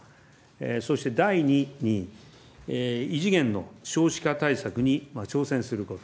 そして第２に、異次元の少子化対策に挑戦すること。